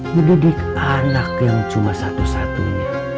mendidik anak yang cuma satu satunya